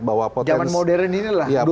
bahwa potensi zaman modern inilah